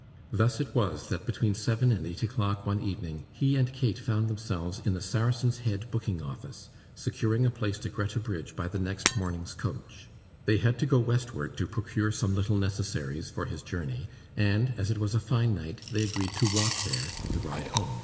Thus it was that between seven and eight o'clock one evening, he and Kate found themselves in the Saracen's Head booking office, securing a place to Greta Bridge by the next morning's coach. They had to go westward, to procure some little necessaries for his journey, and, as it was a fine night, they agreed to walk there, and ride home.